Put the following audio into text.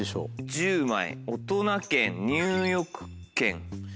１０枚大人券入浴券。